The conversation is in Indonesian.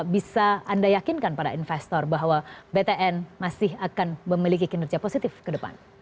bisa anda yakinkan para investor bahwa btn masih akan memiliki kinerja positif ke depan